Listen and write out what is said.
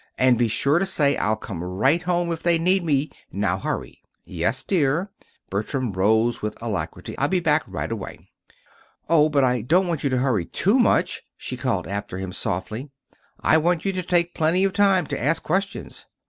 "And be sure to say I'll come right home if they need me. Now hurry." "Yes, dear." Bertram rose with alacrity. "I'll be back right away." "Oh, but I don't want you to hurry too much," she called after him, softly. "I want you to take plenty of time to ask questions."